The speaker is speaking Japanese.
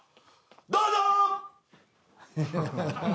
どうぞ！